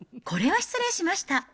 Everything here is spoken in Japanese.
これは失礼しました。